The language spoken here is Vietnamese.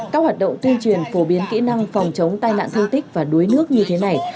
các hoạt động tuyên truyền phổ biến kỹ năng phòng chống tai nạn thương tích và đuối nước như thế này